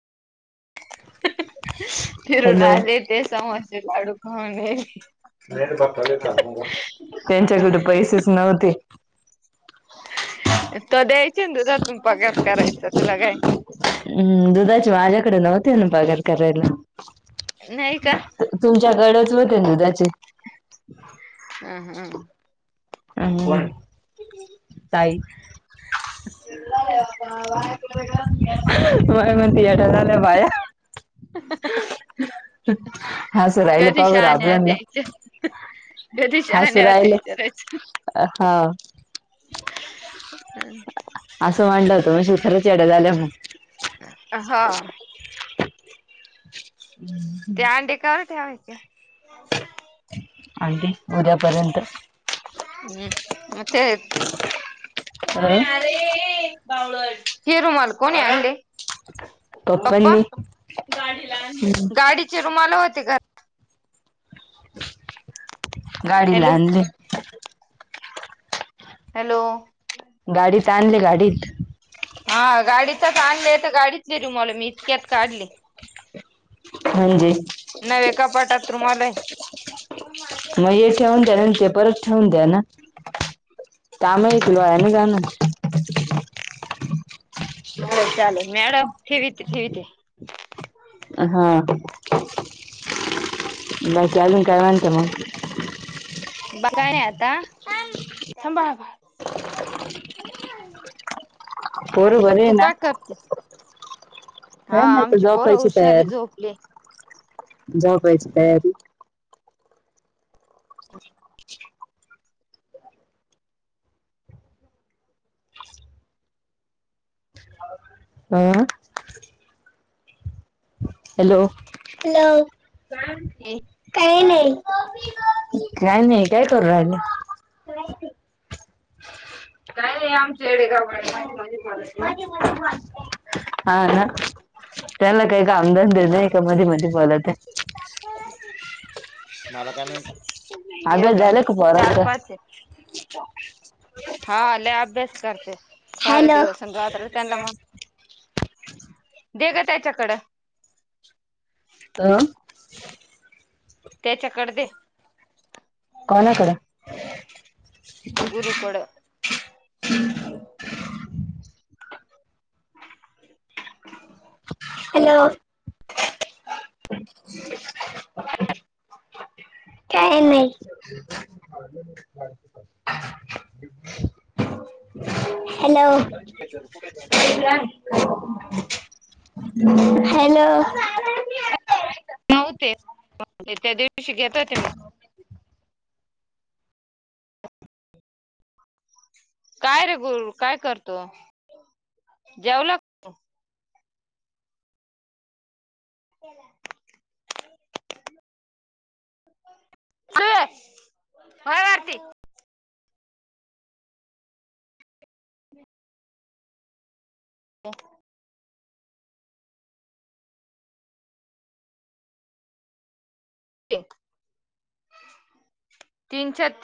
[inaudible] फिरून हॅलो आले ते समोसे लाडू खाऊणे त्यांच्याकडे पैसेच नव्हते त द्यायचे ना तुझ तू पगार करायचा तुला काय हम्म दुधाची माझ्याकडे नव्हते ना पगार करायला नाही का तुमच्याकडच होते दुधाचे हम हम हम ताई व मतीयाठला पाया [inaudible] हा स राहिले पाबर आपल्यांद कध शहाान होते राहिले विचारच हा. हम् असं म्हणलं होत मावशी खरंच येड्या झाल्या म्हण. हा. हम्म. त्या अंडे कर त्यावेचे आणखी उद्यापर्यंत हम् म तेे अ ही रुमाल कोणी आणलं. पप्पा पप्पांनी गाडीचे रुमाला होते. गाडीला हॅलो आणली. हॅलो. गाडीत आणले गाडीत. हा गाडीतच आणले तर गाडीच रु मला मी इतक्यात काढले. म्हणजे न्हवे कपाटात रुमाल आहे. मग हे ठेऊून त्या्या न ते परत ठेवून द्या ना काम इकलो आहे ना जाणं. ह. ल चाल मॅडम ठे ठे ते हा बाकी आजून काय म्हणता मग ब काय नाही आता ब बा. पोरं बरे आहे तू ना? का करतेस. काय हा नाही आता आमची पोर झोपायची हुशारी तयारी झोपले. झोपायची तयारी हम्. Hello hello. काही नाही काय नाही काय करू रा. ह. काय नाही आमचेडे हा ना. त्याला काही का आमदज द नाही का मधी मधी बलात. मला का झाला नाही का चार पाच आहे. ह [unintelligible] हा ल अभ्यास करते सारे दिवस राात्र. त्यांना मग दे ग त्याच्याकडं. तर. त्याच्याकड दे. कोण तड. तुरकड हॅलो. काही नाही. हॅलो. हॅलो. नव्हते त्या दिवशी घेत होते मी. काय रे गुरु काय करतो जेवला. [unintelligible] सु हय आरती. हो. तीनश.